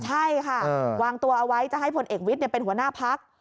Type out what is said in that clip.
ใช่ค่ะวางตัวเอาไว้จะให้พลเอกวิทย์เป็นหัวหน้าพัก